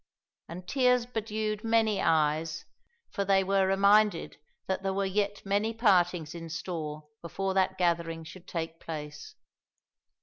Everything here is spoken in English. And tears bedewed many eyes, for they were reminded that there were yet many partings in store before that gathering should take place.